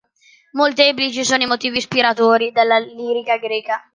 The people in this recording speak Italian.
Molteplici sono i motivi ispiratori della lirica greca.